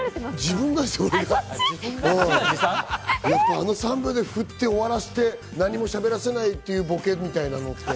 やっぱ、あの３秒で振って終わらせて、何もしゃべらせないっていうボケみたいなね。